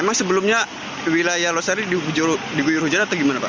emang sebelumnya wilayah losari diguyur hujan atau gimana pak